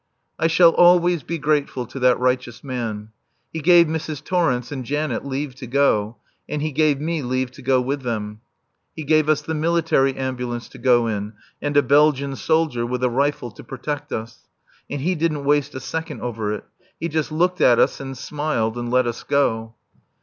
I shall always be grateful to that righteous man. He gave Mrs. Torrence and Janet leave to go, and he gave me leave to go with them; he gave us the military ambulance to go in and a Belgian soldier with a rifle to protect us. And he didn't waste a second over it. He just looked at us, and smiled, and let us go.